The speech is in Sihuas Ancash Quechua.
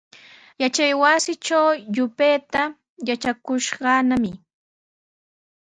Yachaywasitraw yupayta yatrakushqanami.